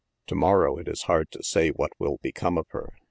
To morrow it is hard to say what will become of her.